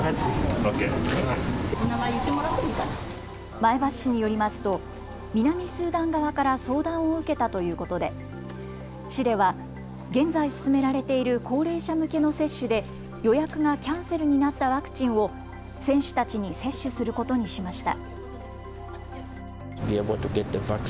前橋市によりますと南スーダン側から相談を受けたということで市では現在進められている高齢者向けの接種で予約がキャンセルになったワクチンを選手たちに接種することにしました。